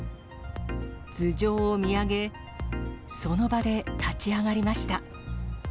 頭上を見上げ、その場で立ち上がりました。